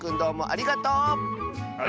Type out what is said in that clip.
ありがとう！